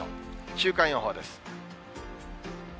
週間予報です。